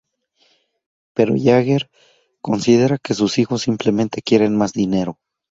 Pero Yeager considera que sus hijos simplemente quieren más dinero.